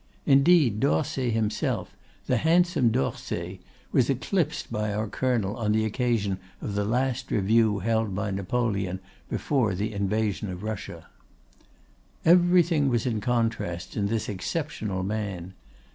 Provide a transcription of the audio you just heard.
Indeed, d'Orsay himself, the handsome d'Orsay, was eclipsed by our colonel on the occasion of the last review held by Napoleon before the invasion of Russia. "Everything was in contrasts in this exceptional man.